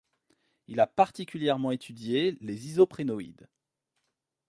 Il a particulièrement étudié les isoprénoïdes.